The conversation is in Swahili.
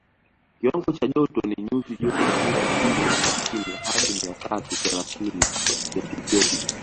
Kiwango cha joto ni nyuzi joto mia mbili hamsini hadi mia tatu thelathini sentigredi